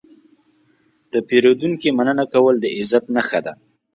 د پیرودونکي مننه کول د عزت نښه ده.